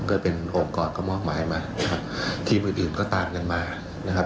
ก็เป็นองค์กรก็มอบหมายมานะครับทีมอื่นอื่นก็ตามกันมานะครับ